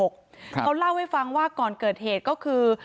เขาเล่าให้ฟังว่าก่อนเกิดเหตุก็คือ